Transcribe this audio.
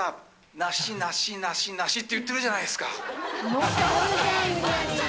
なし、なし、なし、なしって言ってるじゃないですか。